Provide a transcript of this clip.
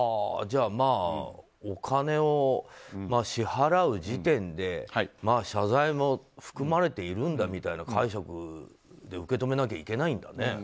じゃあ、お金を支払う時点で謝罪も含まれているんだみたいな解釈で受け止めなきゃいけないんだね。